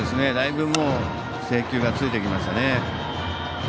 だいぶ、制球がついてきましたね。